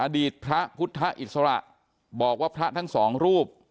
อดีตพระพุทธอิสระบอกว่าพระทั้งสองรูป